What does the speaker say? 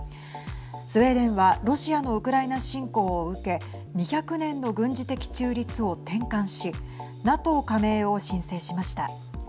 スウェーデンはロシアのウクライナ侵攻を受け２００年の軍事的中立を転換しＮＡＴＯ加盟を申請しました。